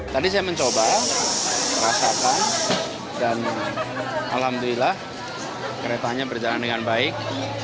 tadi saya mencoba rasakan dan alhamdulillah keretanya berjalan dengan baik